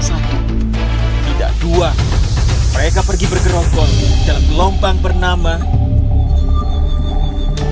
untuk memperoleh video terbaru